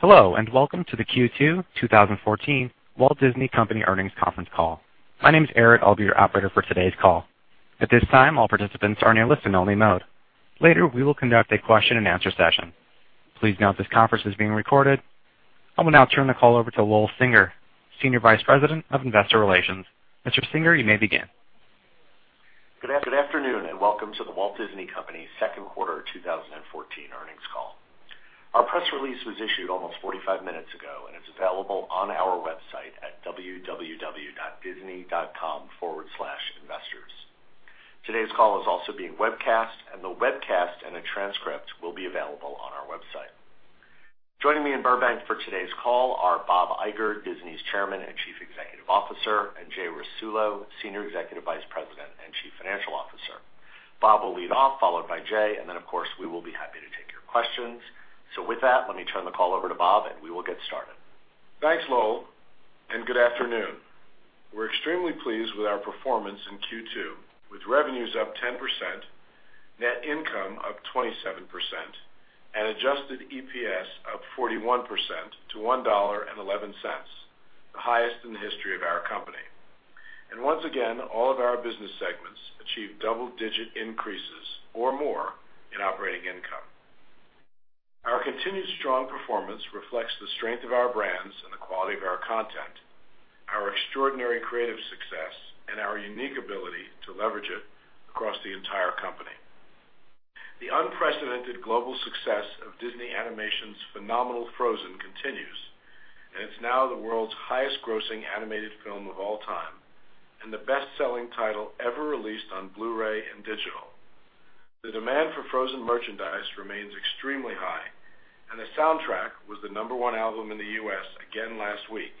Hello, and welcome to the Q2 2014 The Walt Disney Company earnings conference call. My name is Eric, I'll be your operator for today's call. At this time, all participants are in listen-only mode. Later, we will conduct a question-and-answer session. Please note this conference is being recorded. I will now turn the call over to Lowell Singer, Senior Vice President of Investor Relations. Mr. Singer, you may begin. Good afternoon, and welcome to The Walt Disney Company second quarter 2014 earnings call. Our press release was issued almost 45 minutes ago, and it's available on our website at www.disney.com/investors. Today's call is also being webcast, and the webcast and a transcript will be available on our website. Joining me in Burbank for today's call are Bob Iger, Disney's Chairman and Chief Executive Officer, and Jay Rasulo, Senior Executive Vice President and Chief Financial Officer. Bob will lead off, followed by Jay, and then of course, we will be happy to take your questions. With that, let me turn the call over to Bob, and we will get started. Thanks, Lowell, and good afternoon. We're extremely pleased with our performance in Q2, with revenues up 10%, net income up 27%, and adjusted EPS up 41% to $1.11, the highest in the history of our company. Once again, all of our business segments achieved double-digit increases or more in operating income. Our continued strong performance reflects the strength of our brands and the quality of our content, our extraordinary creative success, and our unique ability to leverage it across the entire company. The unprecedented global success of Disney Animation's phenomenal "Frozen" continues, and it's now the world's highest-grossing animated film of all time and the best-selling title ever released on Blu-ray and digital. The demand for "Frozen" merchandise remains extremely high, and the soundtrack was the number one album in the U.S. again last week.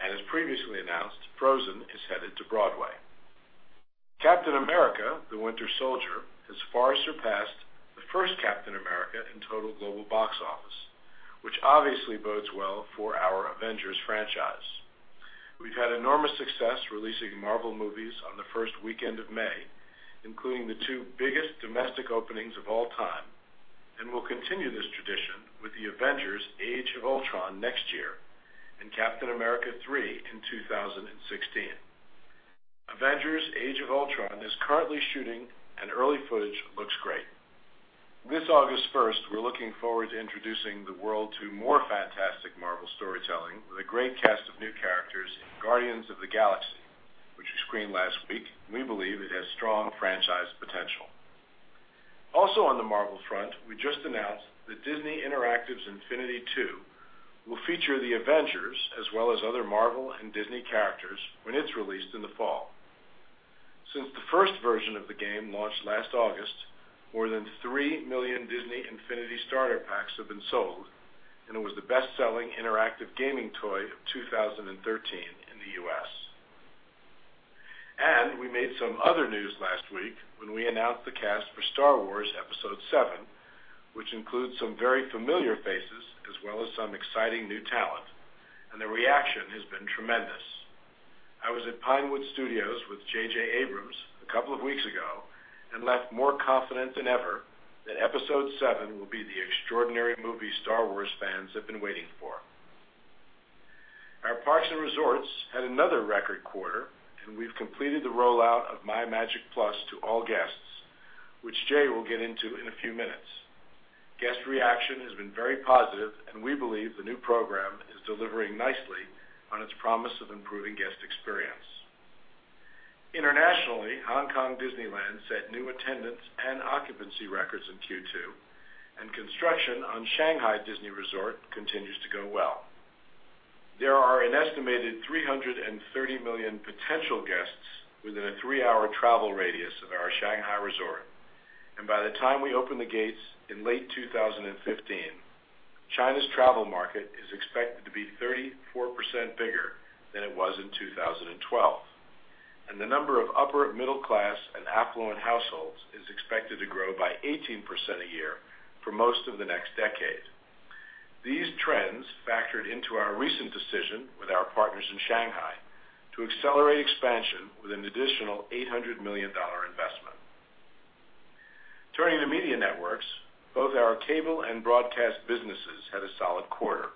As previously announced, "Frozen" is headed to Broadway. Captain America: The Winter Soldier" has far surpassed the first "Captain America" in total global box office, which obviously bodes well for our Avengers franchise. We've had enormous success releasing Marvel movies on the first weekend of May, including the two biggest domestic openings of all time, and we'll continue this tradition with "The Avengers: Age of Ultron" next year and "Captain America 3" in 2016. "Avengers: Age of Ultron" is currently shooting, and early footage looks great. This August 1st, we're looking forward to introducing the world to more fantastic Marvel storytelling with a great cast of new characters in "Guardians of the Galaxy," which we screened last week. We believe it has strong franchise potential. Also on the Marvel front, we just announced that Disney Interactive's Infinity 2 will feature The Avengers as well as other Marvel and Disney characters when it's released in the fall. Since the first version of the game launched last August, more than 3 million Disney Infinity starter packs have been sold and it was the best-selling interactive gaming toy of 2013 in the U.S. We made some other news last week when we announced the cast for "Star Wars: Episode VII," which includes some very familiar faces as well as some exciting new talent. The reaction has been tremendous. I was at Pinewood Studios with J.J. Abrams a couple of weeks ago and left more confident than ever that "Episode VII" will be the extraordinary movie Star Wars fans have been waiting for. Our parks and resorts had another record quarter. We've completed the rollout of MyMagic+ to all guests, which Jay will get into in a few minutes. Guest reaction has been very positive. We believe the new program is delivering nicely on its promise of improving guest experience. Internationally, Hong Kong Disneyland set new attendance and occupancy records in Q2. Construction on Shanghai Disney Resort continues to go well. There are an estimated 330 million potential guests within a three-hour travel radius of our Shanghai resort. By the time we open the gates in late 2015, China's travel market is expected to be 34% bigger than it was in 2012. The number of upper middle-class and affluent households is expected to grow by 18% a year for most of the next decade. These trends factored into our recent decision with our partners in Shanghai to accelerate expansion with an additional $800 million investment. Turning to media networks, both our cable and broadcast businesses had a solid quarter.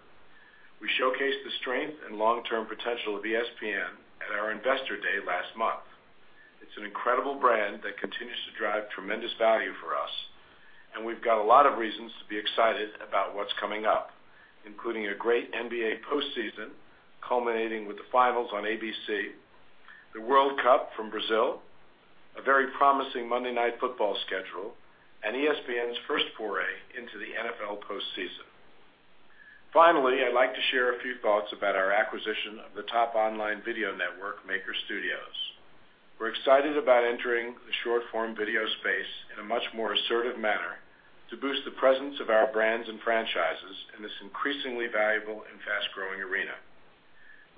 We showcased the strength and long-term potential of ESPN at our investor day last month. It's an incredible brand that continues to drive tremendous value for us. We've got a lot of reasons to be excited about what's coming up, including a great NBA postseason culminating with the finals on ABC, the World Cup from Brazil, a very promising Monday Night Football schedule, and ESPN's first foray into the NFL postseason. Finally, I'd like to share a few thoughts about our acquisition of the top online video network, Maker Studios. We're excited about entering the short-form video space in a much more assertive manner to boost the presence of our brands and franchises in this increasingly valuable and fast-growing arena.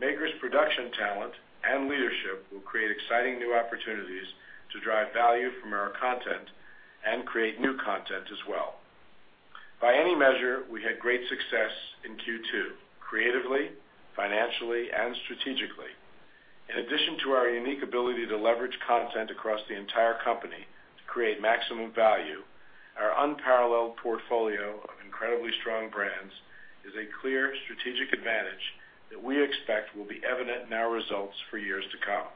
Maker's production talent and leadership will create exciting new opportunities to drive value from our content and create new content as well. By any measure, we had great success in Q2 creatively, financially, and strategically. In addition to our unique ability to leverage content across the entire company to create maximum value, our unparalleled portfolio of incredibly strong brands is a clear strategic advantage that we expect will be evident in our results for years to come.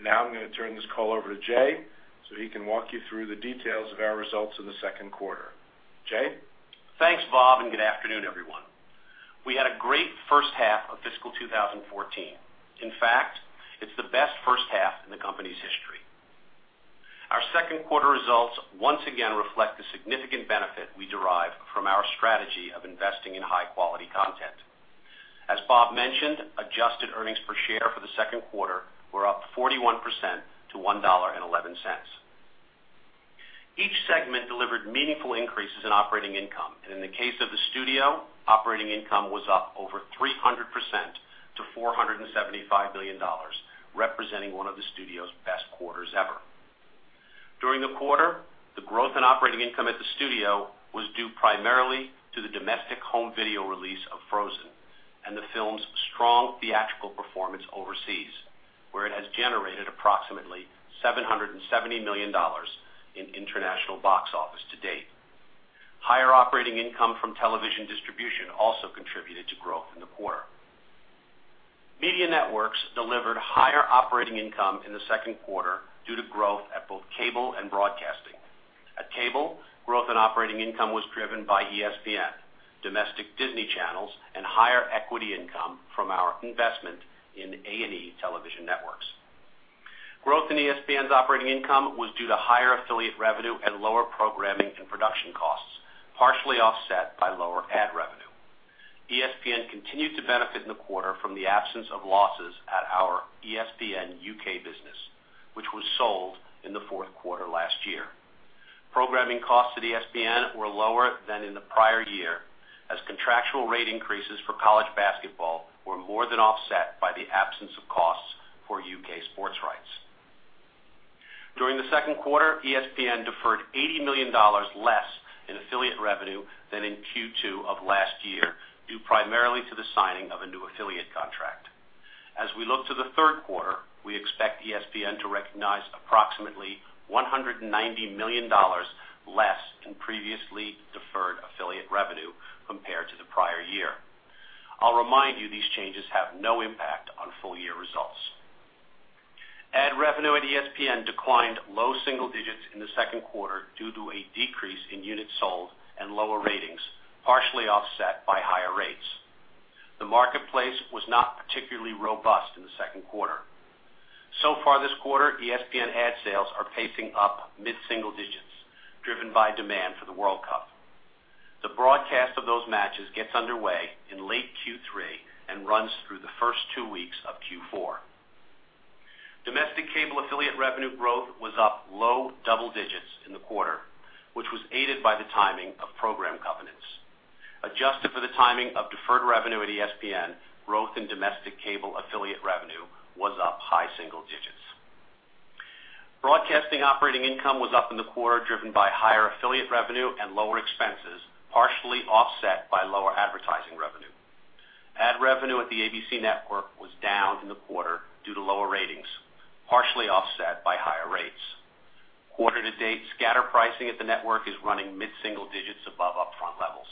I'm going to turn this call over to Jay so he can walk you through the details of our results in the second quarter. Jay? Thanks, Bob. Good afternoon, everyone. We had a great first half of fiscal 2014. In fact, it's the best first half in the company's history. Our second quarter results once again reflect the significant benefit we derive from our strategy of investing in high-quality content. As Bob mentioned, adjusted earnings per share for the second quarter were up 41% to $1.11. Each segment delivered meaningful increases in operating income. In the case of the studio, operating income was up over 300% to $475 million, representing one of the studio's best quarters ever. During the quarter, the growth in operating income at the studio was due primarily to the domestic home video release of Frozen and the film's strong theatrical performance overseas, where it has generated approximately $770 million in international box office to date. Higher operating income from television distribution also contributed to growth in the quarter. Media networks delivered higher operating income in the second quarter due to growth at both cable and broadcasting. At cable, growth and operating income was driven by ESPN, domestic Disney channels, and higher equity income from our investment in A+E Television Networks. Growth in ESPN's operating income was due to higher affiliate revenue and lower programming and production costs, partially offset by lower ad revenue. ESPN continued to benefit in the quarter from the absence of losses at our ESPN UK business, which was sold in the fourth quarter last year. Programming costs at ESPN were lower than in the prior year, as contractual rate increases for college basketball were more than offset by the absence of costs for U.K. sports rights. During the second quarter, ESPN deferred $80 million less in affiliate revenue than in Q2 of last year, due primarily to the signing of a new affiliate contract. As we look to the third quarter, we expect ESPN to recognize approximately $190 million less in previously deferred affiliate revenue compared to the prior year. I'll remind you, these changes have no impact on full-year results. Ad revenue at ESPN declined low single digits in the second quarter due to a decrease in units sold and lower ratings, partially offset by higher rates. The marketplace was not particularly robust in the second quarter. So far this quarter, ESPN ad sales are pacing up mid-single digits, driven by demand for the World Cup. The broadcast of those matches gets underway in late Q3 and runs through the first two weeks of Q4. Domestic cable affiliate revenue growth was up low double digits in the quarter, which was aided by the timing of program covenants. Adjusted for the timing of deferred revenue at ESPN, growth in domestic cable affiliate revenue was up high single digits. Broadcasting operating income was up in the quarter, driven by higher affiliate revenue and lower expenses, partially offset by lower advertising revenue. Ad revenue at the ABC Network was down in the quarter due to lower ratings, partially offset by higher rates. Quarter to date scatter pricing at the network is running mid-single digits above upfront levels.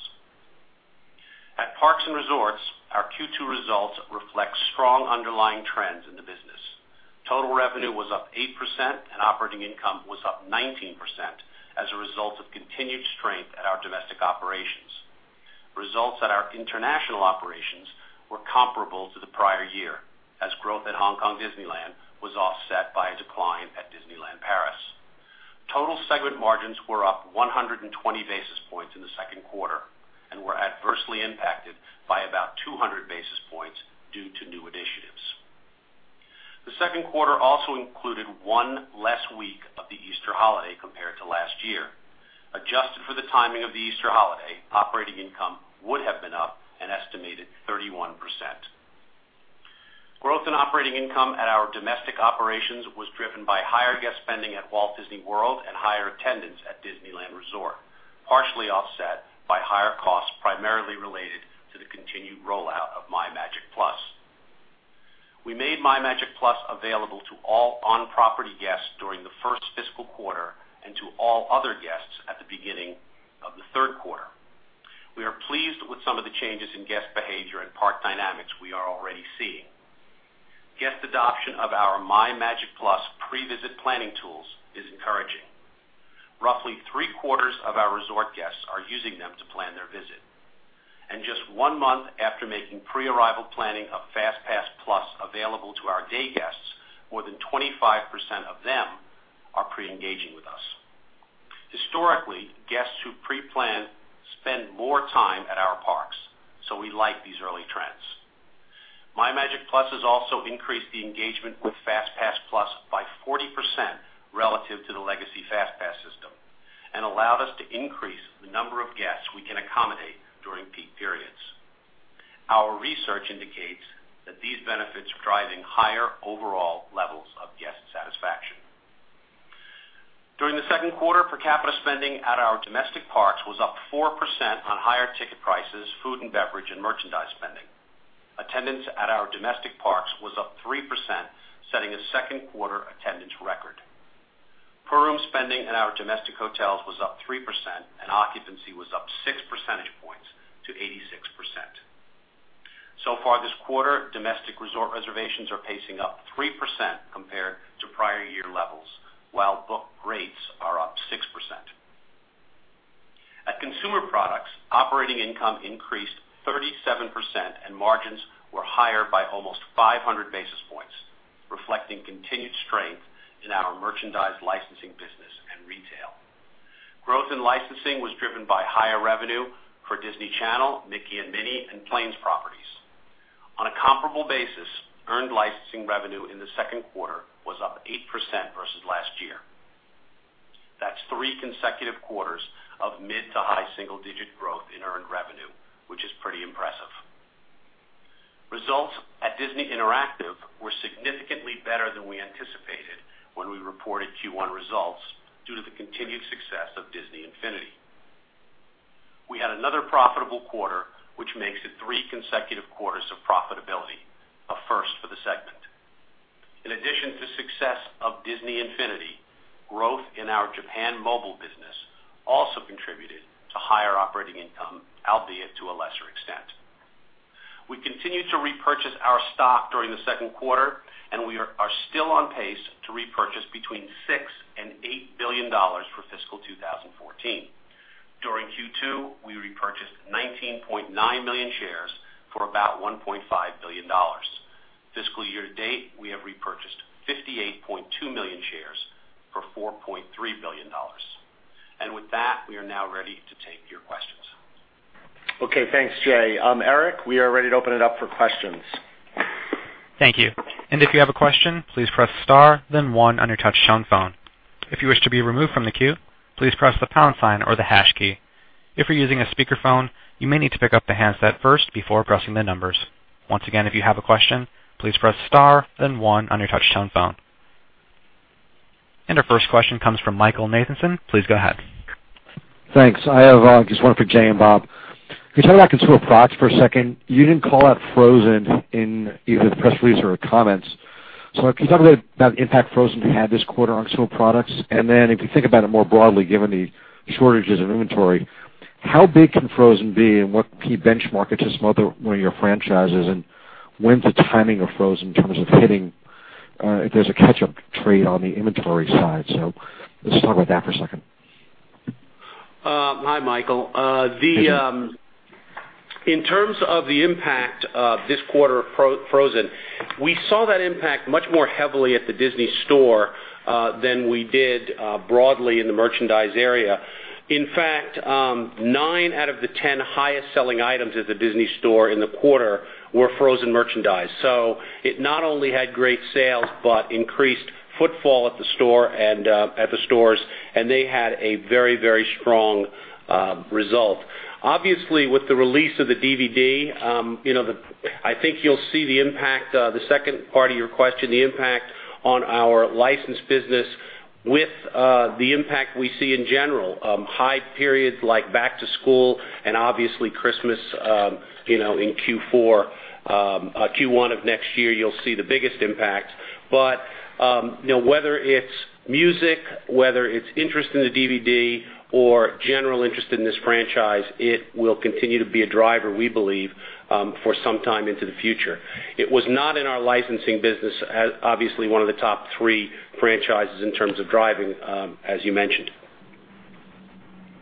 At Parks and Resorts, our Q2 results reflect strong underlying trends in the business. Total revenue was up 8% and operating income was up 19% as a result of continued strength at our domestic operations. Results at our international operations were comparable to the prior year, as growth at Hong Kong Disneyland was offset by a decline at Disneyland Paris. Total segment margins were up 120 basis points in the second quarter and were adversely impacted by about 200 basis points due to new initiatives. The second quarter also included one less week of the Easter holiday compared to last year. Adjusted for the timing of the Easter holiday, operating income would have been up an estimated 31%. Growth in operating income at our domestic operations was driven by higher guest spending at Walt Disney World and higher attendance at Disneyland Resort, partially offset by higher costs primarily related to the continued rollout of MyMagic+. We made MyMagic+ available to all on-property guests during the first fiscal quarter and to all other guests at the beginning of the third quarter. We are pleased with some of the changes in guest behavior and park dynamics we are already seeing. Guest adoption of our MyMagic+ pre-visit planning tools is encouraging. Just one month after making pre-arrival planning of FastPass+ available to our day guests, more than 25% of them are pre-engaging with us. Historically, guests who pre-plan spend more time at our parks, so we like these early trends. MyMagic+ has also increased the engagement with FastPass+ by 40% relative to the legacy FastPass system and allowed us to increase the number of guests we can accommodate during peak periods. Our research indicates that these benefits are driving higher overall second quarter per capita spending at our domestic parks was up 4% on higher ticket prices, food and beverage, and merchandise spending. Attendance at our domestic parks was up 3%, setting a second-quarter attendance record. Per room spending in our domestic hotels was up 3%, and occupancy was up six percentage points to 86%. So far this quarter, domestic resort reservations are pacing up 3% compared to prior year levels, while book rates are up 6%. At Consumer Products, operating income increased 37% and margins were higher by almost 500 basis points, reflecting continued strength in our merchandise licensing business and retail. Growth in licensing was driven by higher revenue for Disney Channel, Mickey & Minnie, and Planes properties. On a comparable basis, earned licensing revenue in the second quarter was up 8% versus last year. That's three consecutive quarters of mid to high single-digit growth in earned revenue, which is pretty impressive. Results at Disney Interactive were significantly better than we anticipated when we reported Q1 results due to the continued success of Disney Infinity. We had another profitable quarter, which makes it three consecutive quarters of profitability, a first for the segment. In addition to success of Disney Infinity, growth in our Japan mobile business also contributed to higher operating income, albeit to a lesser extent. We continued to repurchase our stock during the second quarter, and we are still on pace to repurchase between $6 and $8 billion for fiscal 2014. During Q2, we repurchased 19.9 million shares for about $1.5 billion. Fiscal year to date, we have repurchased 58.2 million shares for $4.3 billion. With that, we are now ready to take your questions. Okay, thanks, Jay. Eric, we are ready to open it up for questions. Thank you. If you have a question, please press star then one on your touchtone phone. If you wish to be removed from the queue, please press the pound sign or the hash key. If you're using a speakerphone, you may need to pick up the handset first before pressing the numbers. Once again, if you have a question, please press star then one on your touchtone phone. Our first question comes from Michael Nathanson. Please go ahead. Thanks. I have just one for Jay and Bob. Can we talk about Consumer Products for a second? You didn't call out Frozen in either the press release or comments. Can you talk a bit about the impact Frozen had this quarter on Consumer Products? Then if you think about it more broadly, given the shortages in inventory, how big can Frozen be and what key benchmark it's some of your franchises, and when's the timing of Frozen in terms of hitting if there's a catch-up trade on the inventory side? Let's just talk about that for a second. Hi, Michael. In terms of the impact of this quarter of Frozen, we saw that impact much more heavily at the Disney Store than we did broadly in the merchandise area. In fact, nine out of the 10 highest-selling items at the Disney Store in the quarter were Frozen merchandise. It not only had great sales, but increased footfall at the stores, and they had a very strong result. Obviously, with the release of the DVD, I think you'll see the impact, the second part of your question, the impact on our licensed business with the impact we see in general, high periods like back to school and obviously Christmas in Q4. Q1 of next year, you'll see the biggest impact. Whether it's music, whether it's interest in the DVD or general interest in this franchise, it will continue to be a driver, we believe, for some time into the future. It was not in our licensing business, obviously one of the top three franchises in terms of driving as you mentioned.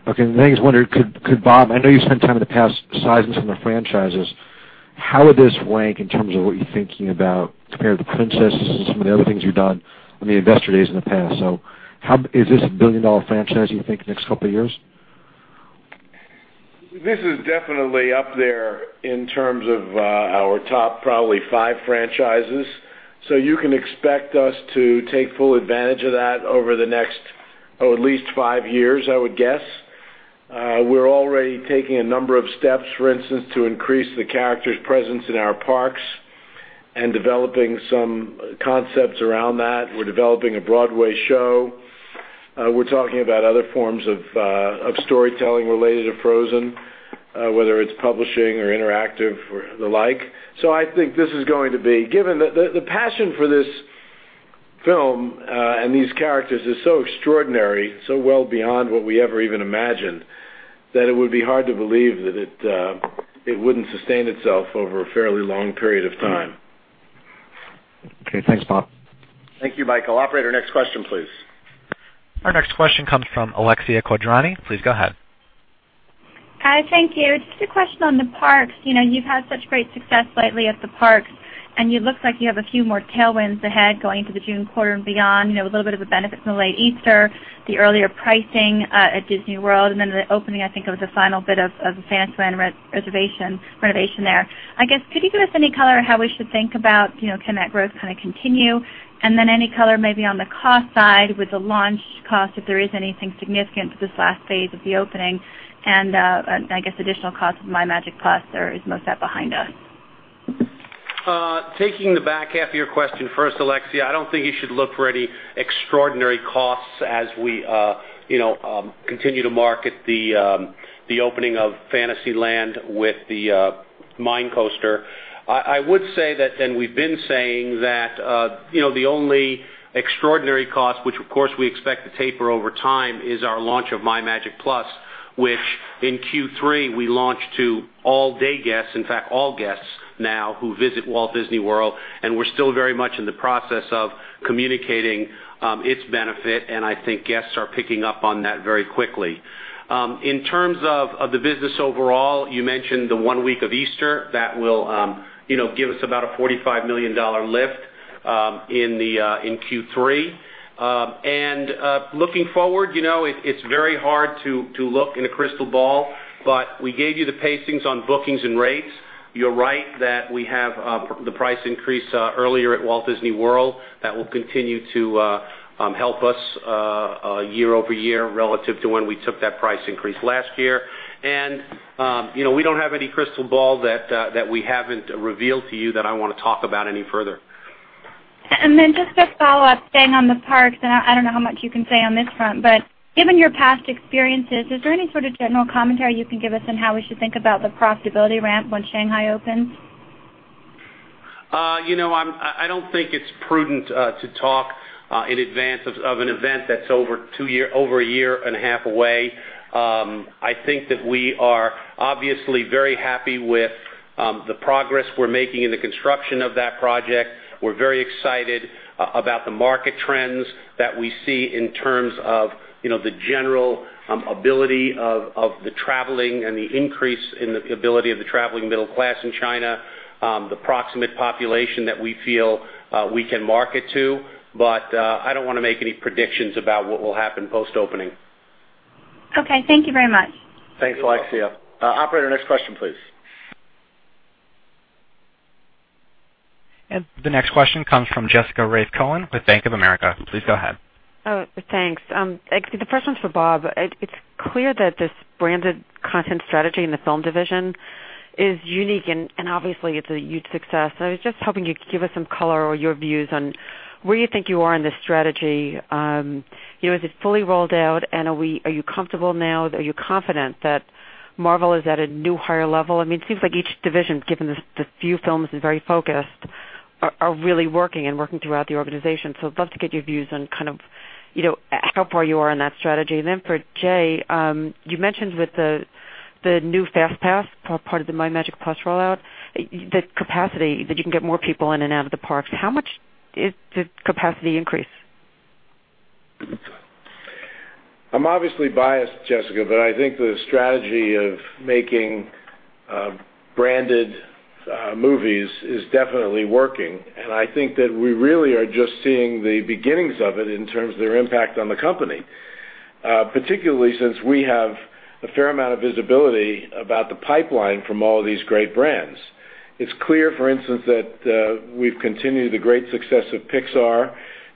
Okay, I was wondering, could Bob, I know you've spent time in the past sizing some of the franchises. How would this rank in terms of what you're thinking about compared to Princesses and some of the other things you've done on the Investor Days in the past? Is this a billion-dollar franchise, you think, the next couple of years? This is definitely up there in terms of our top probably five franchises. You can expect us to take full advantage of that over the next, oh, at least five years, I would guess. We're already taking a number of steps, for instance, to increase the character's presence in our parks and developing some concepts around that. We're developing a Broadway show. We're talking about other forms of storytelling related to Frozen, whether it's publishing or interactive or the like. I think, given the passion for this film and these characters is so extraordinary, so well beyond what we ever even imagined, that it would be hard to believe that it wouldn't sustain itself over a fairly long period of time. Okay, thanks, Bob. Thank you, Michael. Operator, next question, please. Our next question comes from Alexia Quadrani. Please go ahead. Hi, thank you. Just a question on the parks. You've had such great success lately at the parks, and you look like you have a few more tailwinds ahead going into the June quarter and beyond, a little bit of a benefit from the late Easter, the earlier pricing at Walt Disney World, and then the opening, I think, of the final bit of Fantasyland renovation there. I guess, could you give us any color on how we should think about can that growth continue? Then any color maybe on the cost side with the launch cost, if there is anything significant for this last phase of the opening and, I guess additional cost of MyMagic+ there is most that behind us? Taking the back half of your question first, Alexia, I don't think you should look for any extraordinary costs as we continue to market the opening of Fantasyland with the Mine Coaster. I would say that, and we've been saying that the only extraordinary cost, which of course we expect to taper over time, is our launch of MyMagic+, which in Q3 we launched to all-day guests, in fact, all guests now who visit Walt Disney World, and we're still very much in the process of communicating its benefit, and I think guests are picking up on that very quickly. In terms of the business overall, you mentioned the one week of Easter that will give us about a $45 million lift in Q3. Looking forward, it's very hard to look in a crystal ball, but we gave you the pacings on bookings and rates. You're right that we have the price increase earlier at Walt Disney World that will continue to help us year-over-year relative to when we took that price increase last year. We don't have any crystal ball that we haven't revealed to you that I want to talk about any further. Just a follow-up, staying on the parks, I don't know how much you can say on this front, given your past experiences, is there any sort of general commentary you can give us on how we should think about the profitability ramp when Shanghai opens? I don't think it's prudent to talk in advance of an event that's over a year and a half away. I think that we are obviously very happy with the progress we're making in the construction of that project. We're very excited about the market trends that we see in terms of the general ability of the traveling and the increase in the ability of the traveling middle class in China, the proximate population that we feel we can market to. I don't want to make any predictions about what will happen post-opening. Okay. Thank you very much. Thanks, Alexia. Operator, next question, please. The next question comes from Jessica Reif Cohen with Bank of America. Please go ahead. Thanks. The first one's for Bob. It's clear that this branded content strategy in the film division is unique and obviously it's a huge success. I was just hoping you'd give us some color or your views on where you think you are in this strategy. Is it fully rolled out and are you comfortable now? Are you confident that Marvel is at a new higher level? It seems like each division, given the few films is very focused, are really working and working throughout the organization. I'd love to get your views on how far you are in that strategy. Then for Jay, you mentioned with the new FastPass, part of the MyMagic+ rollout, the capacity that you can get more people in and out of the parks. How much is the capacity increase? I'm obviously biased, Jessica, I think the strategy of making branded movies is definitely working, I think that we really are just seeing the beginnings of it in terms of their impact on the company. Particularly since we have a fair amount of visibility about the pipeline from all of these great brands. It's clear, for instance, that we've continued the great success of Pixar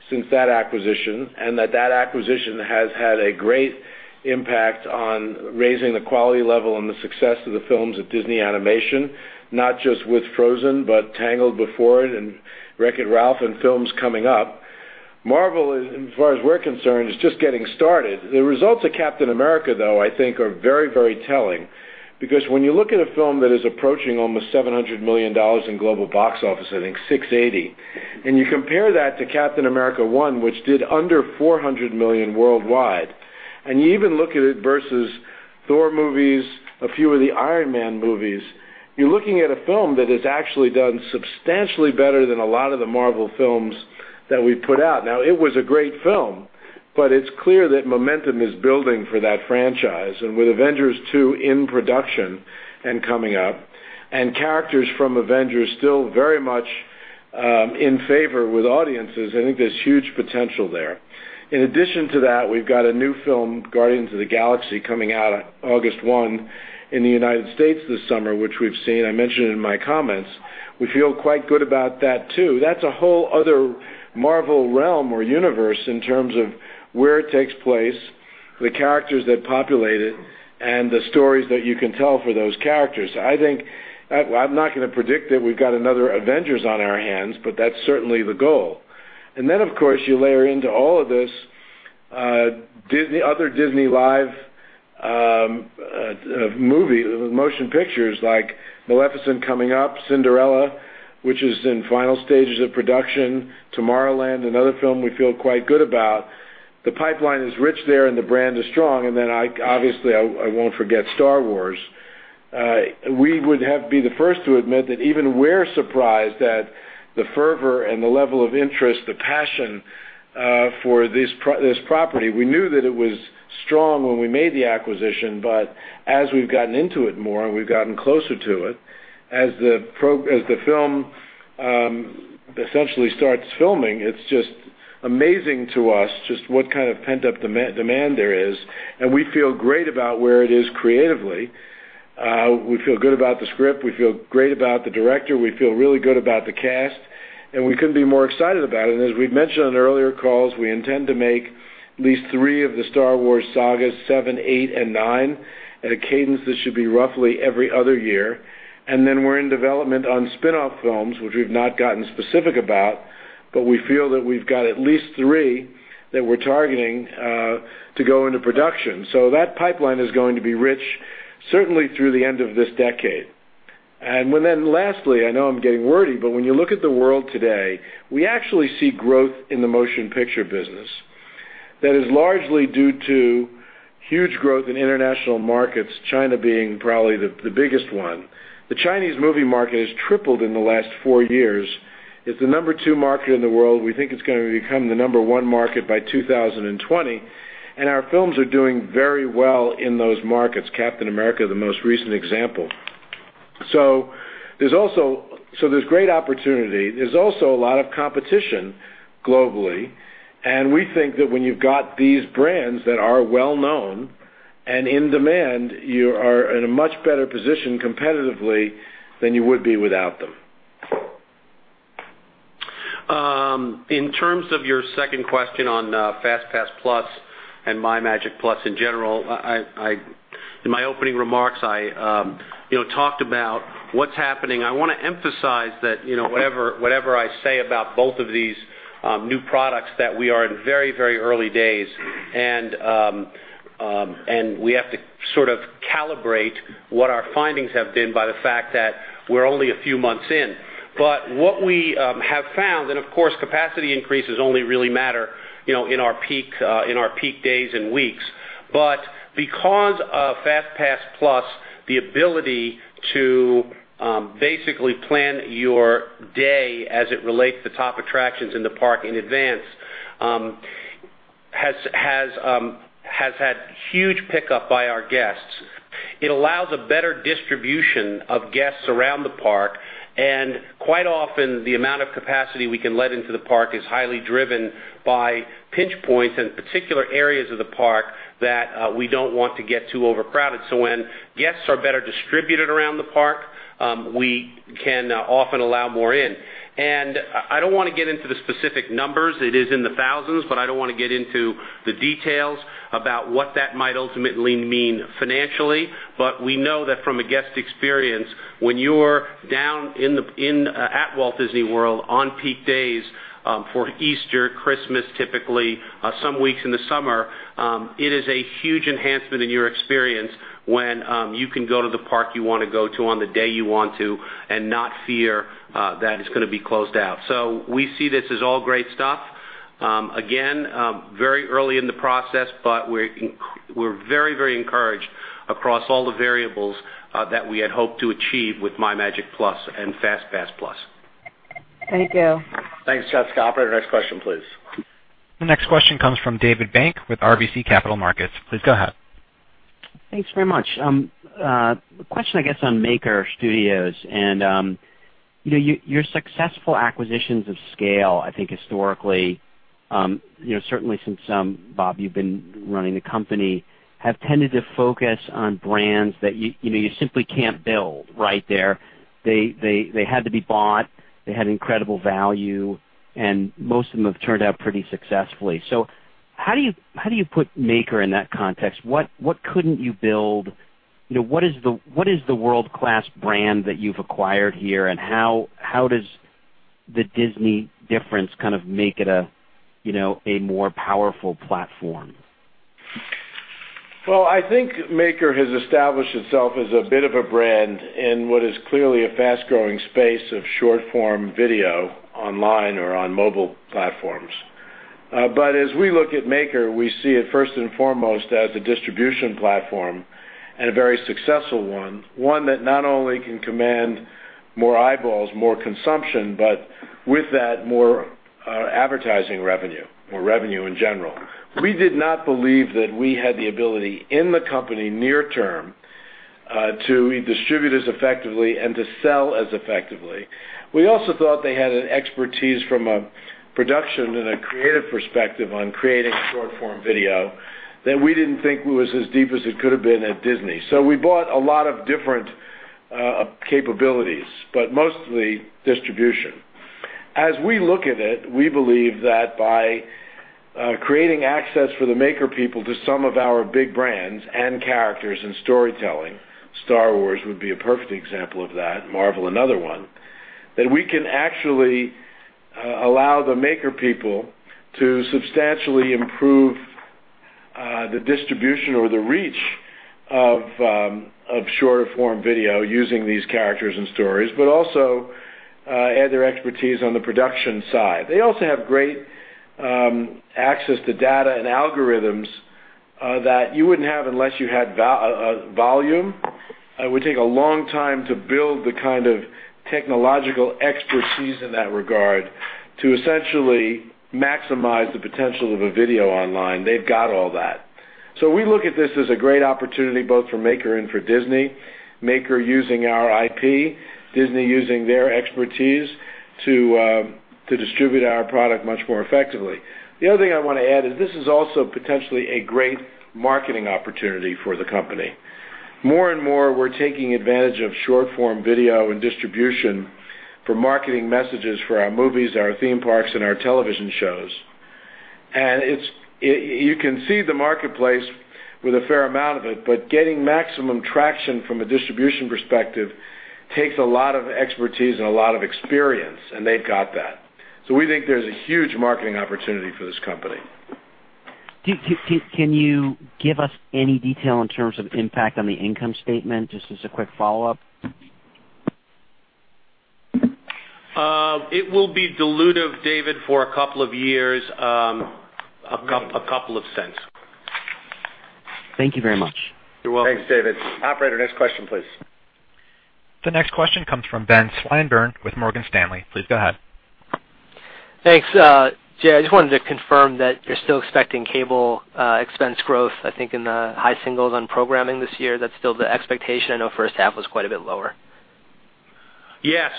since that acquisition, and that acquisition has had a great impact on raising the quality level and the success of the films at Disney Animation, not just with "Frozen," but "Tangled" before it and "Wreck-It Ralph" and films coming up. Marvel, as far as we're concerned, is just getting started. The results of Captain America, though, I think are very telling because when you look at a film that is approaching almost $700 million in global box office, I think $680 million, you compare that to Captain America 1, which did under $400 million worldwide, you even look at it versus Thor movies, a few of the Iron Man movies, you're looking at a film that has actually done substantially better than a lot of the Marvel films that we put out. Now, it was a great film, but it's clear that momentum is building for that franchise. With Avengers 2 in production and coming up, characters from Avengers still very much in favor with audiences, I think there's huge potential there. In addition to that, we've got a new film, Guardians of the Galaxy, coming out August 1 in the U.S. this summer, which we've seen. I mentioned it in my comments. We feel quite good about that, too. That's a whole other Marvel realm or universe in terms of where it takes place, the characters that populate it, the stories that you can tell for those characters. I'm not going to predict that we've got another Avengers on our hands, but that's certainly the goal. Of course, you layer into all of this other Disney live motion pictures like Maleficent coming up, Cinderella, which is in final stages of production, Tomorrowland, another film we feel quite good about. The pipeline is rich there and the brand is strong. Obviously I won't forget Star Wars. We would be the first to admit that even we're surprised at the fervor and the level of interest, the passion for this property. We knew that it was strong when we made the acquisition, but as we've gotten into it more and we've gotten closer to it, as the film essentially starts filming, it's just amazing to us just what kind of pent-up demand there is. We feel great about where it is creatively. We feel good about the script. We feel great about the director. We feel really good about the cast. We couldn't be more excited about it. As we've mentioned on earlier calls, we intend to make at least three of the Star Wars sagas, VII, VIII, and IX, at a cadence that should be roughly every other year. We're in development on spinoff films, which we've not gotten specific about, but we feel that we've got at least three that we're targeting to go into production. That pipeline is going to be rich, certainly through the end of this decade. Lastly, I know I'm getting wordy, but when you look at the world today, we actually see growth in the motion picture business that is largely due to huge growth in international markets, China being probably the biggest one. The Chinese movie market has tripled in the last four years. It's the number 2 market in the world. We think it's going to become the number one market by 2020. Our films are doing very well in those markets, "Captain America" the most recent example. There's great opportunity. There's also a lot of competition globally, we think that when you've got these brands that are well-known and in demand, you are in a much better position competitively than you would be without them. In terms of your second question on FastPass+ and MyMagic+ in general, in my opening remarks, I talked about what's happening. I want to emphasize that whatever I say about both of these new products, that we are in very early days and we have to calibrate what our findings have been by the fact that we're only a few months in. What we have found, and of course, capacity increases only really matter in our peak days and weeks. Because of FastPass+, the ability to basically plan your day as it relates to top attractions in the park in advance has had huge pickup by our guests. It allows a better distribution of guests around the park, and quite often, the amount of capacity we can let into the park is highly driven by pinch points in particular areas of the park that we don't want to get too overcrowded. When guests are better distributed around the park, we can often allow more in. I don't want to get into the specific numbers. It is in the thousands, but I don't want to get into the details about what that might ultimately mean financially. We know that from a guest experience, when you're down at Walt Disney World on peak days for Easter, Christmas, typically some weeks in the summer, it is a huge enhancement in your experience when you can go to the park you want to go to on the day you want to, and not fear that it's going to be closed out. We see this as all great stuff. Again, very early in the process, but we're very encouraged across all the variables that we had hoped to achieve with MyMagic+ and FastPass+. Thank you. Thanks, Jessica. Operator, next question, please. The next question comes from David Bank with RBC Capital Markets. Please go ahead. Thanks very much. A question, I guess, on Maker Studios and your successful acquisitions of scale, I think historically, certainly since Bob, you've been running the company, have tended to focus on brands that you simply can't build right there. They had to be bought, they had incredible value, and most of them have turned out pretty successfully. How do you put Maker in that context? What couldn't you build? What is the world-class brand that you've acquired here, and how does the Disney difference make it a more powerful platform? Well, I think Maker has established itself as a bit of a brand in what is clearly a fast-growing space of short-form video online or on mobile platforms. As we look at Maker, we see it first and foremost as a distribution platform and a very successful one. One that not only can command more eyeballs, more consumption, but with that, more advertising revenue, more revenue in general. We did not believe that we had the ability in the company near term to distribute as effectively and to sell as effectively. We also thought they had an expertise from a production and a creative perspective on creating short-form video that we didn't think was as deep as it could have been at Disney. We bought a lot of different capabilities, but mostly distribution. As we look at it, we believe that by creating access for the Maker people to some of our big brands and characters and storytelling, Star Wars would be a perfect example of that, Marvel another one, that we can actually allow the Maker people to substantially improve the distribution or the reach of shorter-form video using these characters and stories, but also add their expertise on the production side. They also have great access to data and algorithms that you wouldn't have unless you had volume. It would take a long time to build the kind of technological expertise in that regard to essentially maximize the potential of a video online. They've got all that. We look at this as a great opportunity both for Maker and for Disney. Maker using our IP, Disney using their expertise to distribute our product much more effectively. The other thing I want to add is this is also potentially a great marketing opportunity for the company. More and more, we're taking advantage of short-form video and distribution for marketing messages for our movies, our theme parks, and our television shows. You can see the marketplace with a fair amount of it, but getting maximum traction from a distribution perspective takes a lot of expertise and a lot of experience, and they've got that. We think there's a huge marketing opportunity for this company. Can you give us any detail in terms of impact on the income statement? Just as a quick follow-up. It will be dilutive, David, for a couple of years, $0.02. Thank you very much. You're welcome. Thanks, David. Operator, next question, please. The next question comes from Ben Swinburne with Morgan Stanley. Please go ahead. Thanks, Jay. I just wanted to confirm that you're still expecting cable expense growth, I think, in the high singles on programming this year. That's still the expectation. I know first half was quite a bit lower. Yes.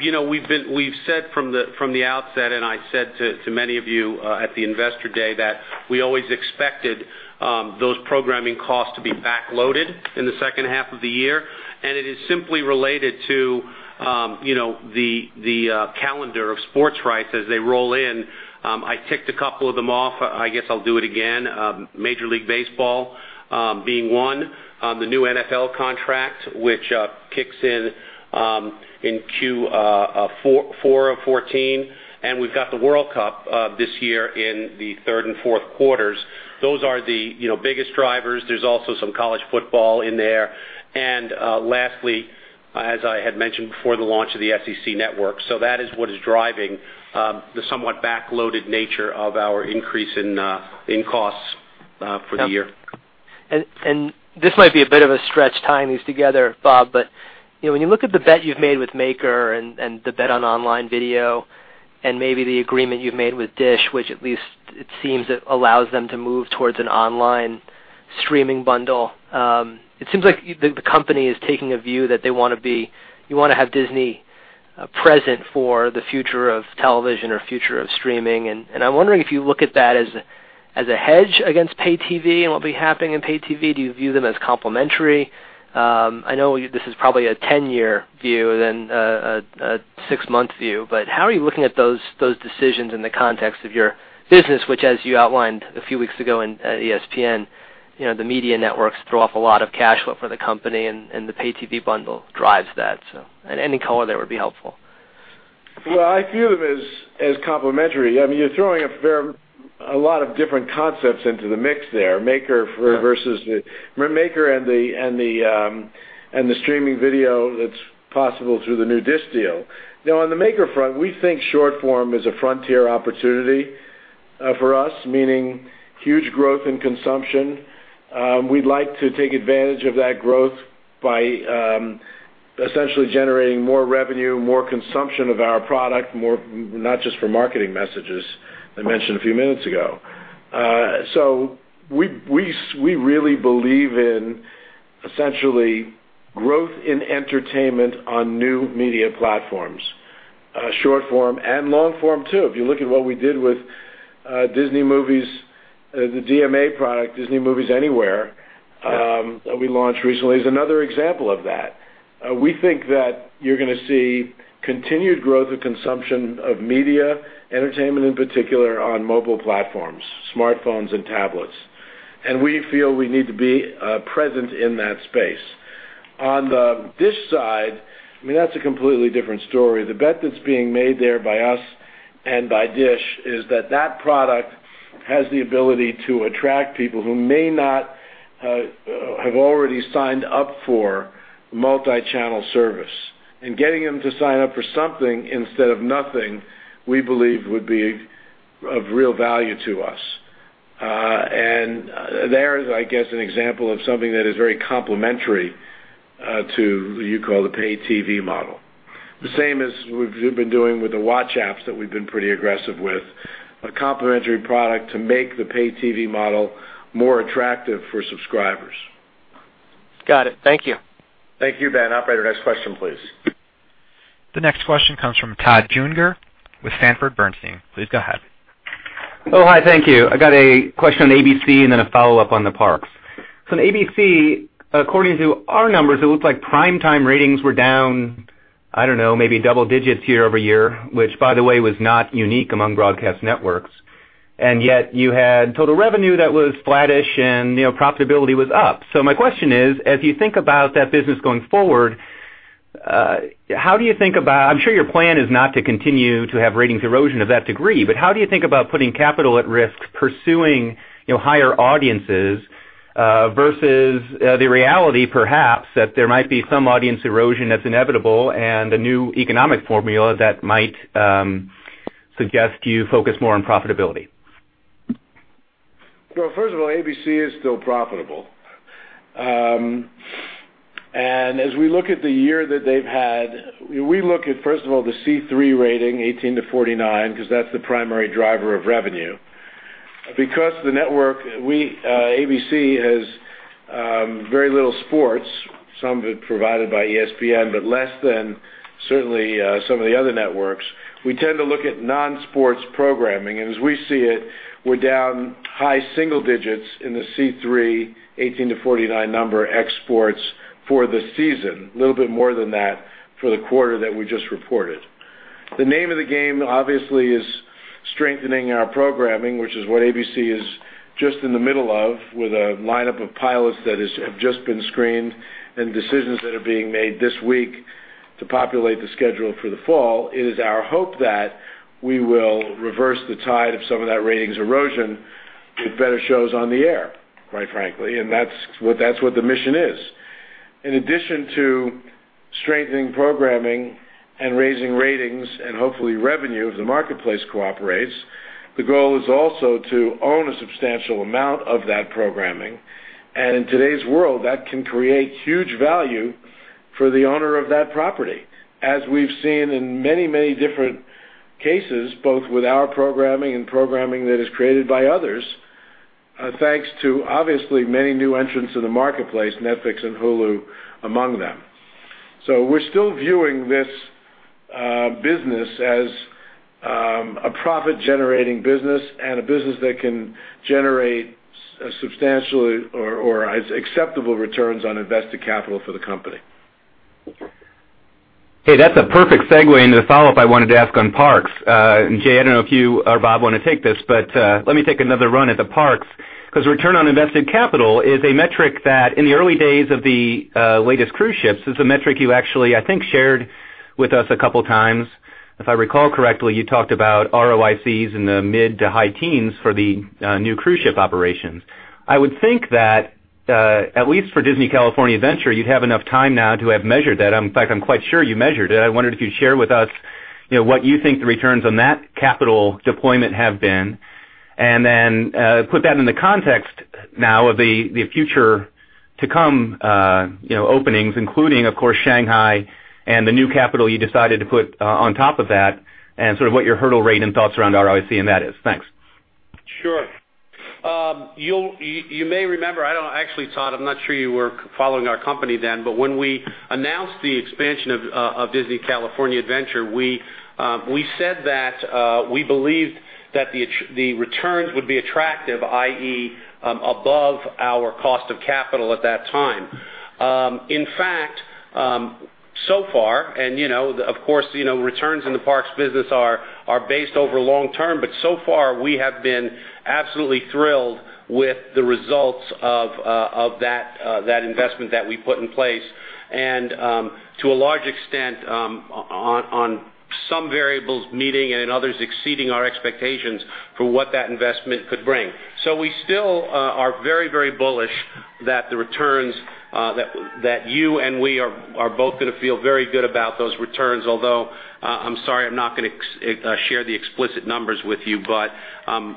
We've said from the outset, I said to many of you at the investor day that we always expected those programming costs to be backloaded in the second half of the year. It is simply related to the calendar of sports rights as they roll in. I ticked a couple of them off. I guess I'll do it again. Major League Baseball being one, the new NFL contract, which kicks in Q4 of 2014, We've got the World Cup this year in the third and fourth quarters. Those are the biggest drivers. There's also some college football in there. Lastly, as I had mentioned before, the launch of the SEC Network. That is what is driving the somewhat backloaded nature of our increase in costs for the year. This might be a bit of a stretch tying these together, Bob, but when you look at the bet you've made with Maker and the bet on online video and maybe the agreement you've made with DISH, which at least it seems, it allows them to move towards an online streaming bundle. It seems like the company is taking a view that they want to have Disney present for the future of television or future of streaming. I'm wondering if you look at that as a hedge against paid TV and what will be happening in paid TV. Do you view them as complementary? I know this is probably a 10-year view than a six-month view. How are you looking at those decisions in the context of your business, which as you outlined a few weeks ago in ESPN, the media networks throw off a lot of cash flow for the company, and the paid TV bundle drives that. Any color there would be helpful. Well, I view them as complementary. You're throwing a lot of different concepts into the mix there, Maker and the streaming video that's possible through the new DISH deal. Now, on the Maker front, we think short-form is a frontier opportunity for us, meaning huge growth in consumption. We'd like to take advantage of that growth by essentially generating more revenue, more consumption of our product, not just for marketing messages, I mentioned a few minutes ago. We really believe in essentially growth in entertainment on new media platforms, short form and long form too. If you look at what we did with Disney Movies, the DMA product, Disney Movies Anywhere, that we launched recently is another example of that. We think that you're going to see continued growth of consumption of media, entertainment in particular, on mobile platforms, smartphones and tablets. We feel we need to be present in that space. On the DISH side, that's a completely different story. The bet that's being made there by us and by DISH is that product has the ability to attract people who may not have already signed up for multi-channel service. Getting them to sign up for something instead of nothing, we believe would be of real value to us. There is, I guess, an example of something that is very complementary to what you call the paid TV model. The same as we've been doing with the watch apps that we've been pretty aggressive with, a complementary product to make the paid TV model more attractive for subscribers. Got it. Thank you. Thank you, Ben. Operator, next question, please. The next question comes from Todd Juenger with Sanford C. Bernstein. Please go ahead. Oh, hi. Thank you. I got a question on ABC and then a follow-up on the parks. On ABC, according to our numbers, it looks like prime time ratings were down, I don't know, maybe double digits year-over-year, which, by the way, was not unique among broadcast networks. Yet you had total revenue that was flattish and profitability was up. My question is: as you think about that business going forward, I'm sure your plan is not to continue to have ratings erosion of that degree, how do you think about putting capital at risk pursuing higher audiences versus the reality, perhaps, that there might be some audience erosion that's inevitable and a new economic formula that might suggest you focus more on profitability? Well, first of all, ABC is still profitable. As we look at the year that they've had, we look at, first of all, the C3 rating 18-49, because that's the primary driver of revenue. Because the network, ABC, has very little sports, some of it provided by ESPN, less than certainly some of the other networks, we tend to look at non-sports programming. As we see it, we're down high single digits in the C3 18-49 number exports for the season, a little bit more than that for the quarter that we just reported. The name of the game obviously is strengthening our programming, which is what ABC is just in the middle of with a lineup of pilots that have just been screened and decisions that are being made this week to populate the schedule for the fall. It is our hope that we will reverse the tide of some of that ratings erosion with better shows on the air, quite frankly, that's what the mission is. In addition to strengthening programming and raising ratings and hopefully revenue if the marketplace cooperates, the goal is also to own a substantial amount of that programming. In today's world, that can create huge value for the owner of that property. As we've seen in many different cases, both with our programming and programming that is created by others, thanks to obviously many new entrants in the marketplace, Netflix and Hulu among them. We're still viewing this business as a profit-generating business and a business that can generate substantially or acceptable returns on invested capital for the company. Hey, that's a perfect segue into the follow-up I wanted to ask on parks. Jay, I don't know if you or Bob want to take this, but let me take another run at the parks, because return on invested capital is a metric that in the early days of the latest cruise ships is a metric you actually, I think, shared with us a couple of times. If I recall correctly, you talked about ROICs in the mid to high teens for the new cruise ship operations. I would think that, at least for Disney California Adventure, you'd have enough time now to have measured that. In fact, I'm quite sure you measured it. I wondered if you'd share with us what you think the returns on that capital deployment have been, and then put that into context now of the future to come openings, including, of course, Shanghai and the new capital you decided to put on top of that and sort of what your hurdle rate and thoughts around ROIC in that is. Thanks. Sure. You may remember, I don't know, actually, Todd, I'm not sure you were following our company then, but when we announced the expansion of Disney California Adventure, we said that we believed that the returns would be attractive, i.e., above our cost of capital at that time. In fact, so far, of course, returns in the parks business are based over long term, but so far we have been absolutely thrilled with the results of that investment that we put in place and to a large extent on some variables meeting and others exceeding our expectations for what that investment could bring. We still are very bullish that you and we are both going to feel very good about those returns, although, I'm sorry, I'm not going to share the explicit numbers with you.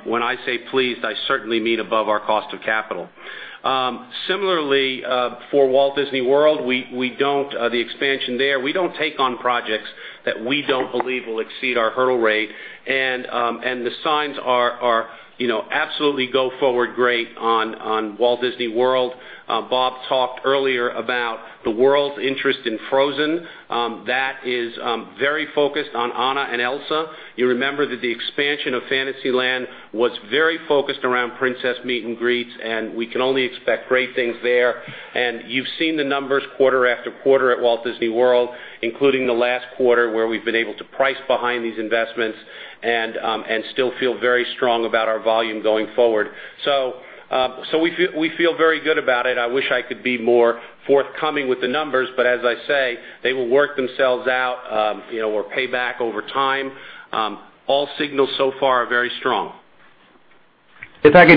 When I say pleased, I certainly mean above our cost of capital. Similarly, for Walt Disney World, the expansion there, we don't take on projects that we don't believe will exceed our hurdle rate. The signs are absolutely go forward great on Walt Disney World. Bob talked earlier about the world's interest in Frozen. That is very focused on Anna and Elsa. You remember that the expansion of Fantasyland was very focused around princess meet and greets, and we can only expect great things there. You've seen the numbers quarter after quarter at Walt Disney World, including the last quarter, where we've been able to price behind these investments and still feel very strong about our volume going forward. We feel very good about it. I wish I could be more forthcoming with the numbers, but as I say, they will work themselves out or pay back over time. All signals so far are very strong. Thanks,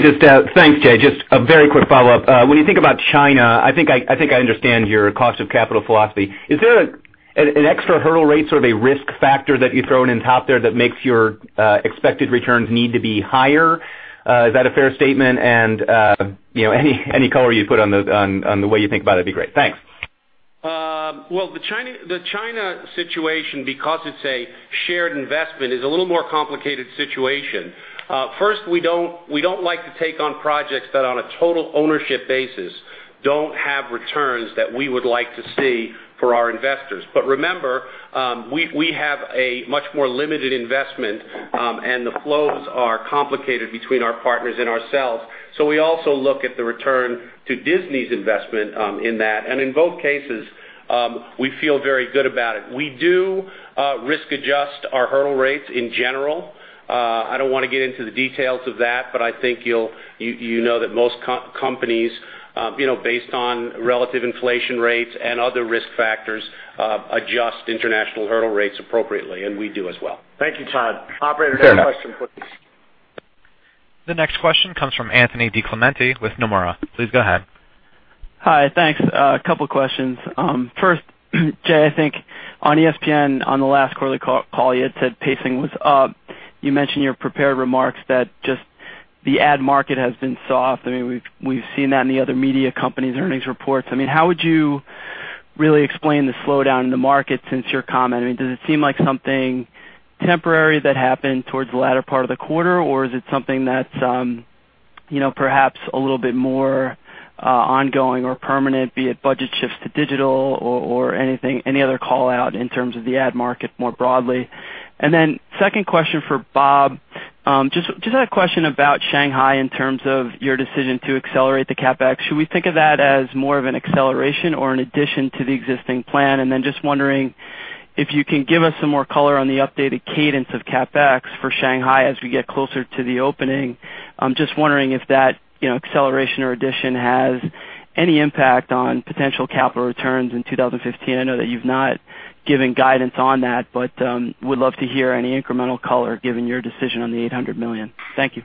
Jay. Just a very quick follow-up. When you think about China, I think I understand your cost of capital philosophy. Is there an extra hurdle rate, sort of a risk factor that you've thrown in top there that makes your expected returns need to be higher? Is that a fair statement? Any color you put on the way you think about it'd be great. Thanks. Well, the China situation, because it's a shared investment, is a little more complicated situation. First, we don't like to take on projects that on a total ownership basis don't have returns that we would like to see for our investors. Remember, we have a much more limited investment, and the flows are complicated between our partners and ourselves. We also look at the return to Disney's investment in that, and in both cases, we feel very good about it. We do risk adjust our hurdle rates in general. I don't want to get into the details of that, but I think you know that most companies based on relative inflation rates and other risk factors adjust international hurdle rates appropriately, and we do as well. Thank you, Todd. Fair enough. Operator, next question, please. The next question comes from Anthony DiClemente with Nomura. Please go ahead. Hi, thanks. A couple of questions. First, Jay, I think on ESPN on the last quarterly call you had said pacing was up. You mentioned in your prepared remarks that just the ad market has been soft. I mean, we've seen that in the other media companies' earnings reports. How would you really explain the slowdown in the market since your comment? I mean, does it seem like something temporary that happened towards the latter part of the quarter, or is it something that's perhaps a little bit more ongoing or permanent, be it budget shifts to digital or any other call-out in terms of the ad market more broadly? Second question for Bob. Just had a question about Shanghai in terms of your decision to accelerate the CapEx. Should we think of that as more of an acceleration or an addition to the existing plan? Just wondering if you can give us some more color on the updated cadence of CapEx for Shanghai as we get closer to the opening. I'm just wondering if that acceleration or addition has any impact on potential capital returns in 2015. I know that you've not given guidance on that, but would love to hear any incremental color given your decision on the $800 million. Thank you.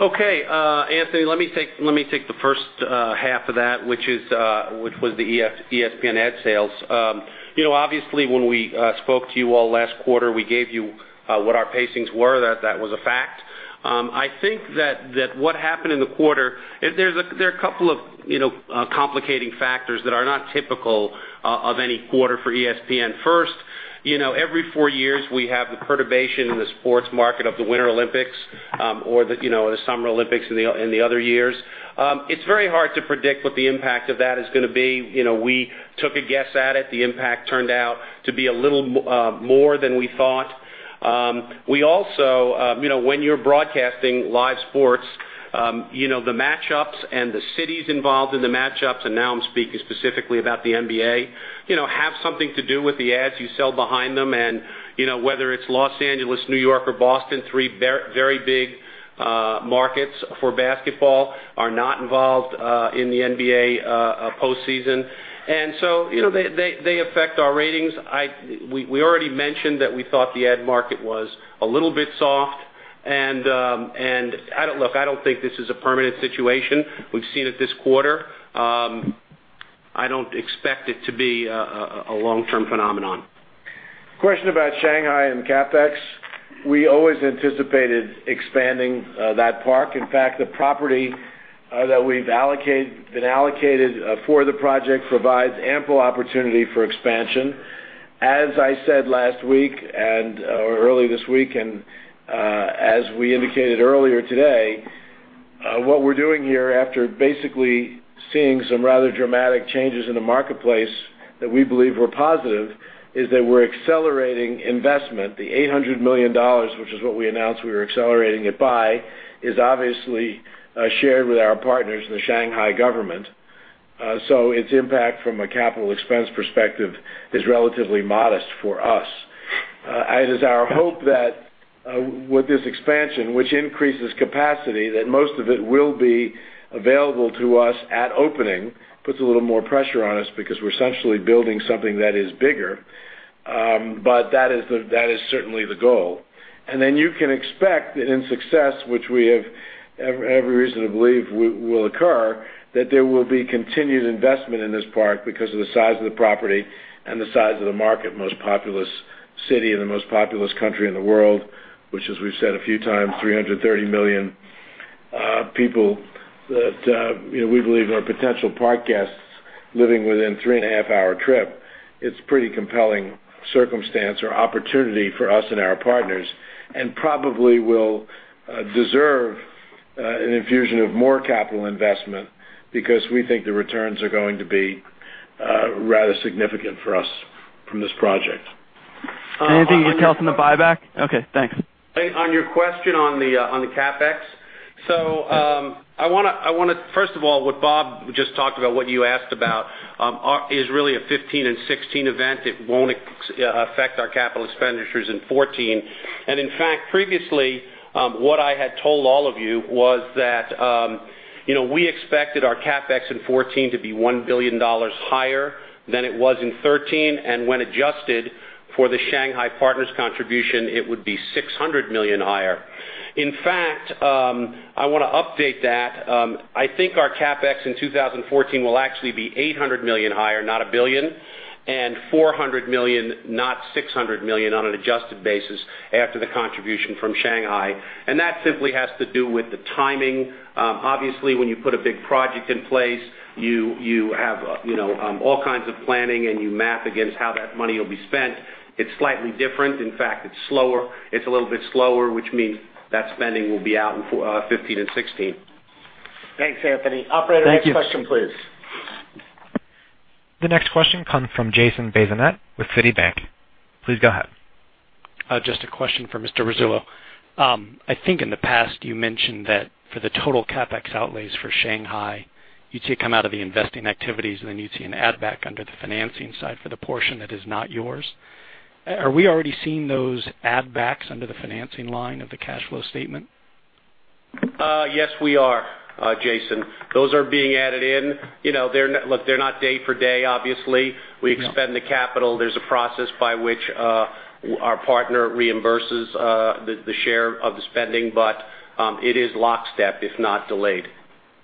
Okay. Anthony, let me take the first half of that, which was the ESPN ad sales. Obviously, when we spoke to you all last quarter, we gave you what our pacings were. That was a fact. I think that what happened in the quarter, there are a couple of complicating factors that are not typical of any quarter for ESPN. First, every four years, we have the perturbation in the sports market of the Winter Olympics, or the Summer Olympics in the other years. It's very hard to predict what the impact of that is going to be. We took a guess at it. The impact turned out to be a little more than we thought. When you're broadcasting live sports, the matchups and the cities involved in the matchups, and now I'm speaking specifically about the NBA, have something to do with the ads you sell behind them. Whether it's Los Angeles, New York, or Boston, three very big markets for basketball are not involved in the NBA postseason. They affect our ratings. We already mentioned that we thought the ad market was a little bit soft and look, I don't think this is a permanent situation. We've seen it this quarter. I don't expect it to be a long-term phenomenon. Question about Shanghai and CapEx. We always anticipated expanding that park. In fact, the property that we've been allocated for the project provides ample opportunity for expansion. As I said last week and earlier this week, and as we indicated earlier today, what we're doing here after basically seeing some rather dramatic changes in the marketplace that we believe were positive is that we're accelerating investment. The $800 million, which is what we announced we were accelerating it by, is obviously shared with our partners in the Shanghai government. Its impact from a capital expense perspective is relatively modest for us. It is our hope that with this expansion, which increases capacity, that most of it will be available to us at opening. Puts a little more pressure on us because we're essentially building something that is bigger. That is certainly the goal. You can expect that in success, which we have every reason to believe will occur, that there will be continued investment in this park because of the size of the property and the size of the market, most populous city in the most populous country in the world, which as we've said a few times, 330 million people that we believe are potential park guests living within a three-and-a-half-hour trip. It's pretty compelling circumstance or opportunity for us and our partners and probably will deserve an infusion of more capital investment because we think the returns are going to be rather significant for us from this project. Anything you can tell us on the buyback? Okay, thanks. On your question on the CapEx. First of all, what Bob just talked about, what you asked about, is really a 2015 and 2016 event. It won't affect our capital expenditures in 2014. Previously, what I had told all of you was that we expected our CapEx in 2014 to be $1 billion higher than it was in 2013, and when adjusted for the Shanghai partner's contribution, it would be $600 million higher. I want to update that. I think our CapEx in 2014 will actually be $800 million higher, not $1 billion, and $400 million, not $600 million on an adjusted basis after the contribution from Shanghai. That simply has to do with the timing. Obviously, when you put a big project in place, you have all kinds of planning, and you map against how that money will be spent. It's slightly different. It's slower. It's a little bit slower, which means that spending will be out in 2015 and 2016. Thanks, Anthony. Operator, next question, please. The next question comes from Jason Bazinet with Citi. Please go ahead. Just a question for Mr. Rasulo. I think in the past you mentioned that for the total CapEx outlays for Shanghai, you see it come out of the investing activities, and then you'd see an add-back under the financing side for the portion that is not yours. Are we already seeing those add-backs under the financing line of the cash flow statement? Yes, we are, Jason. Those are being added in. Look, they're not day for day, obviously. No. We expend the capital. There's a process by which our partner reimburses the share of the spending, it is lockstep, if not delayed.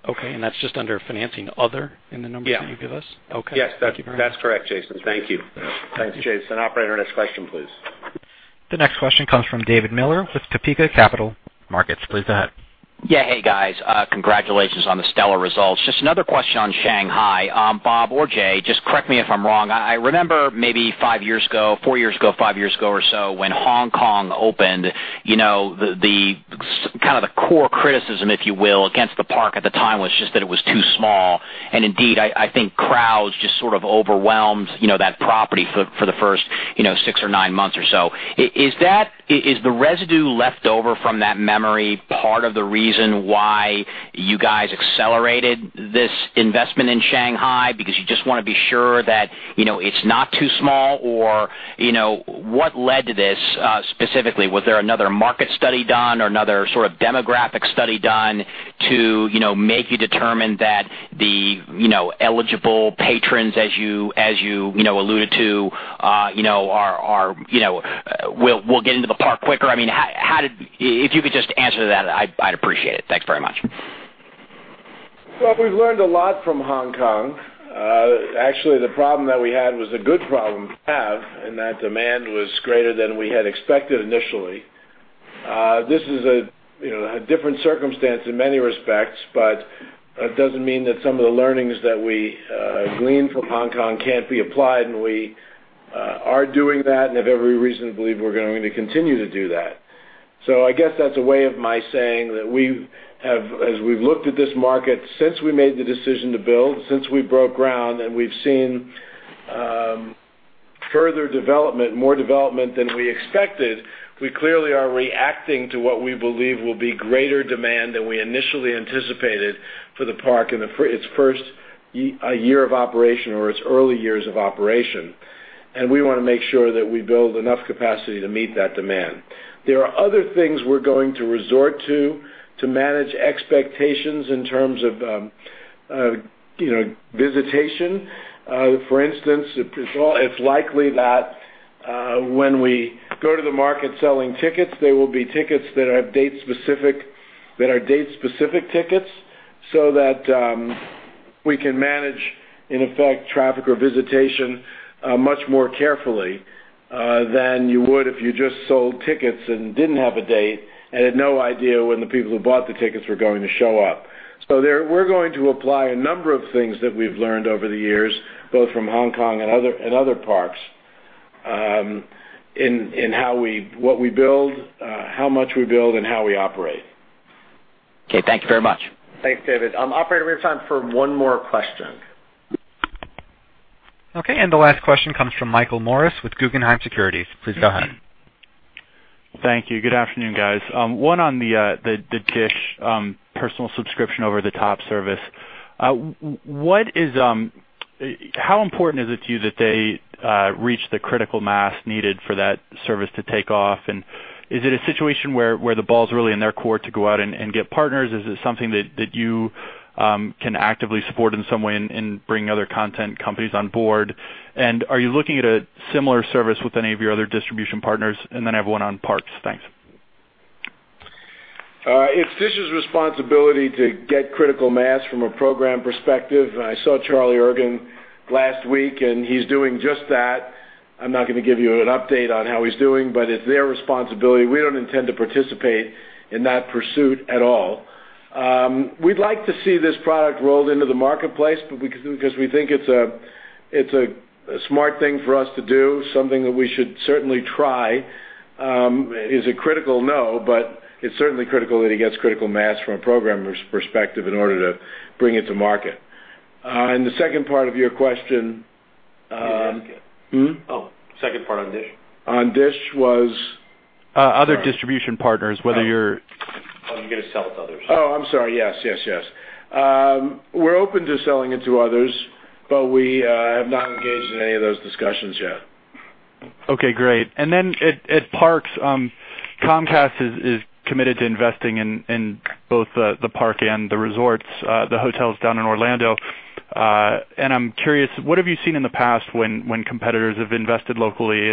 Okay, that's just under financing other in the numbers that you give us? Yeah. Okay. Thank you very much. Yes, that's correct, Jason. Thank you. Thanks, Jason. Operator, next question, please. The next question comes from David Miller with Topeka Capital Markets. Please go ahead. Yeah. Hey, guys. Congratulations on the stellar results. Just another question on Shanghai. Bob or Jay, just correct me if I'm wrong. I remember maybe five years ago, four years ago, five years ago or so, when Hong Kong opened, the Kind of the core criticism, if you will, against the park at the time was just that it was too small, and indeed, I think crowds just sort of overwhelmed that property for the first six or nine months or so. Is the residue left over from that memory part of the reason why you guys accelerated this investment in Shanghai because you just want to be sure that it's not too small? Or what led to this specifically? Was there another market study done or another sort of demographic study done to make you determine that the eligible patrons, as you alluded to, will get into the park quicker? If you could just answer that, I'd appreciate it. Thanks very much. We've learned a lot from Hong Kong. Actually, the problem that we had was a good problem to have in that demand was greater than we had expected initially. This is a different circumstance in many respects, it doesn't mean that some of the learnings that we gleaned from Hong Kong can't be applied and we are doing that and have every reason to believe we're going to continue to do that. I guess that's a way of my saying that as we've looked at this market since we made the decision to build, since we broke ground, and we've seen further development, more development than we expected, we clearly are reacting to what we believe will be greater demand than we initially anticipated for the park in its first year of operation or its early years of operation. We want to make sure that we build enough capacity to meet that demand. There are other things we're going to resort to manage expectations in terms of visitation. For instance, it's likely that when we go to the market selling tickets, there will be tickets that are date-specific tickets so that we can manage, in effect, traffic or visitation much more carefully than you would if you just sold tickets and didn't have a date and had no idea when the people who bought the tickets were going to show up. We're going to apply a number of things that we've learned over the years, both from Hong Kong and other parks, in what we build, how much we build, and how we operate. Okay, thank you very much. Thanks, David. Operator, we have time for one more question. Okay. The last question comes from Michael Morris with Guggenheim Securities. Please go ahead. Thank you. Good afternoon, guys. One on the DISH personal subscription over-the-top service. How important is it to you that they reach the critical mass needed for that service to take off? Is it a situation where the ball's really in their court to go out and get partners? Is it something that you can actively support in some way and bring other content companies on board? Are you looking at a similar service with any of your other distribution partners? I have one on parks. Thanks. It's DISH's responsibility to get critical mass from a program perspective. I saw Charlie Ergen last week. He's doing just that. I'm not going to give you an update on how he's doing. It's their responsibility. We don't intend to participate in that pursuit at all. We'd like to see this product rolled into the marketplace because we think it's a smart thing for us to do, something that we should certainly try. Is it critical? No. It's certainly critical that he gets critical mass from a programmer's perspective in order to bring it to market. The second part of your question. Can you ask it? Oh, second part on DISH. On DISH. Other distribution partners, whether. Oh, you're going to sell it to others. Oh, I'm sorry. Yes. We're open to selling it to others, but we have not engaged in any of those discussions yet. Okay, great. At Parks, Comcast is committed to investing in both the park and the resorts, the hotels down in Orlando. I'm curious, what have you seen in the past when competitors have invested locally?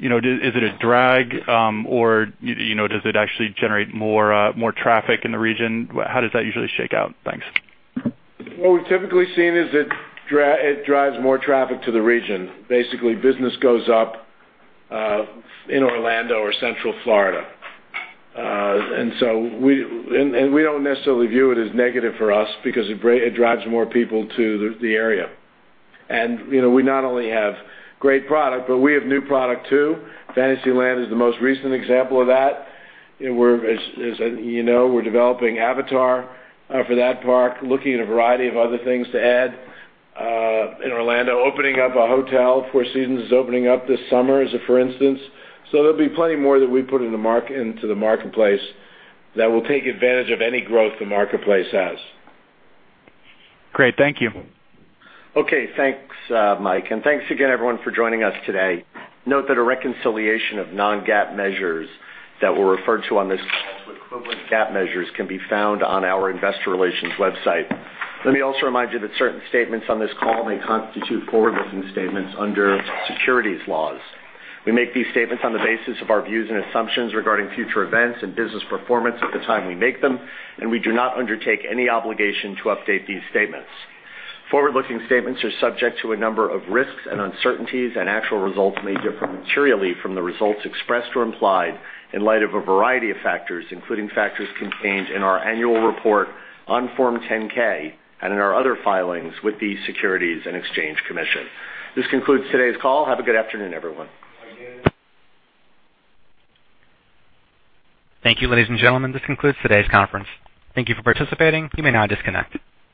Is it a drag or does it actually generate more traffic in the region? How does that usually shake out? Thanks. What we've typically seen is it drives more traffic to the region. Basically, business goes up in Orlando or Central Florida. We don't necessarily view it as negative for us because it drives more people to the area and we not only have great product, but we have new product, too. Fantasyland is the most recent example of that. As you know, we're developing Avatar for that park, looking at a variety of other things to add in Orlando. Opening up a hotel, Four Seasons, is opening up this summer as of for instance. There'll be plenty more that we put into the marketplace that will take advantage of any growth the marketplace has. Great. Thank you. Okay, thanks Mike. Thanks again, everyone, for joining us today. Note that a reconciliation of non-GAAP measures that were referred to on this call to equivalent GAAP measures can be found on our investor relations website. Let me also remind you that certain statements on this call may constitute forward-looking statements under securities laws. We make these statements on the basis of our views and assumptions regarding future events and business performance at the time we make them. We do not undertake any obligation to update these statements. Forward-looking statements are subject to a number of risks and uncertainties. Actual results may differ materially from the results expressed or implied in light of a variety of factors, including factors contained in our annual report on Form 10-K and in our other filings with the Securities and Exchange Commission. This concludes today's call. Have a good afternoon, everyone. Thank you ladies and gentlemen. This concludes today's conference. Thank you for participating. You may now disconnect.